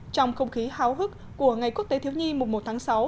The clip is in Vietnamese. trong không khí hào hức của ngày quốc tế thiếu nhi mùa một tháng sáu